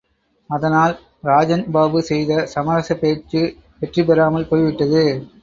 அதனால், ராஜன் பாபு செய்த சமரசப் பேச்சு வெற்றி பெறாமல் போய்விட்டது.